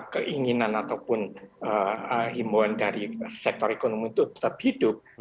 keinginan ataupun imbauan dari sektor ekonomi itu tetap hidup